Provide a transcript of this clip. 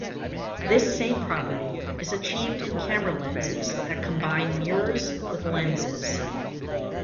This same property is achieved in camera lenses that combine mirrors with lenses.